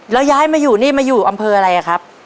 แล้วย้ายมาอยู่นี่มาอยู่อำเภออะไรอะครับ